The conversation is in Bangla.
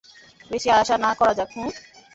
বেশি আশা না করা যাক, হুম?